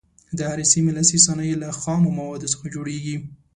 د هرې سیمې لاسي صنایع له خامو موادو څخه جوړیږي.